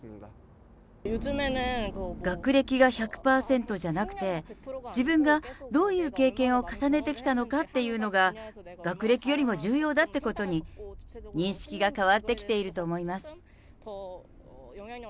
学歴が１００％じゃなくて、自分がどういう経験を重ねてきたのかっていうのが、学歴よりも重要だってことに、認識が変わってきていると思います。